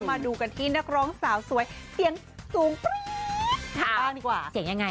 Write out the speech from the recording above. มาดูกันที่นักร้องสาวสวยเสียงสูง